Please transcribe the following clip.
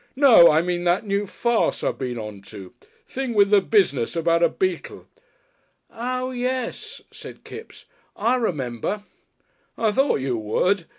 No! I mean that new farce I've been on to. Thing with the business about a beetle." "Oo yes," said Kipps. "I remember." "I thought you would.